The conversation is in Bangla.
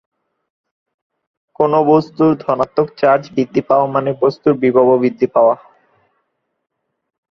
কোনো বস্তুর ধনাত্মক চার্জ বৃদ্ধি পাওয়া মানে বস্তুর বিভব বৃদ্ধি পাওয়া।